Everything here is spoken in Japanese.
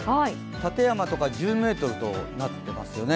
館山とか１０メートルとなっていますよね。